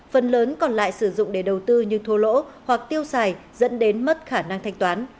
phần lớn còn lại sử dụng để đầu tư như thua lỗ hoặc tiêu xài dẫn đến mất khả năng thanh toán